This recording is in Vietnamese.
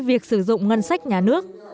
việc sử dụng ngân sách nhà nước